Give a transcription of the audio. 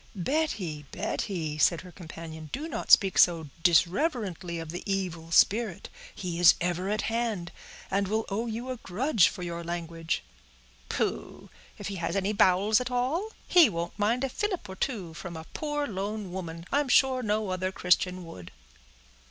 "Betty, Betty," said her companion, "do not speak so disreverently of the evil spirit; he is ever at hand, and will owe you a grudge, for your language." "Pooh! if he has any bowels at all, he won't mind a fillip or two from a poor lone woman; I'm sure no other Christian would."